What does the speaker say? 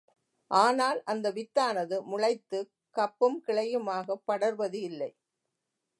ஆனால் அந்த வித்தானது முளைத்துக் கப்பும் கிளையுமாகப் படர்வது இல்லை.